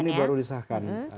ini baru disahkan